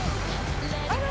「あら！